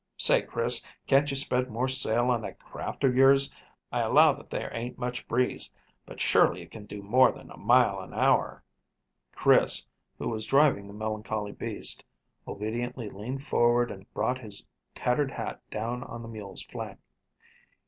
Say, Chris, can't you spread more sail on that craft of yours? I allow that there ain't much breeze, but surely it can do more than a mile an hour." Chris, who was driving the melancholy beast, obediently leaned forward and brought his tattered hat down on the mule's flank.